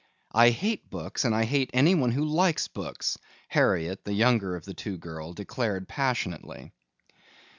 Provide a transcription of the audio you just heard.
"I hate books and I hate anyone who likes books," Harriet, the younger of the two girls, declared passionately.